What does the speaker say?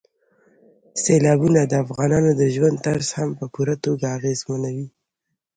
سیلابونه د افغانانو د ژوند طرز هم په پوره توګه اغېزمنوي.